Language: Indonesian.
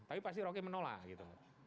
tapi pasti rocky menolak gitu